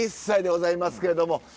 ４１歳でございますけれども。